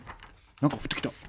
何か降ってきた。